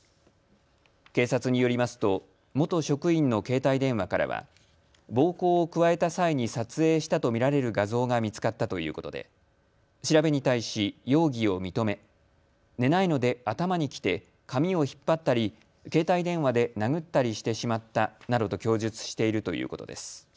警察によりますと元職員の携帯電話からは暴行を加えた際に撮影したと見られる画像が見つかったということで調べに対し容疑を認め、寝ないので頭にきて髪を引っ張ったり、携帯電話で殴ったりしてしまったなどと供述しているということです。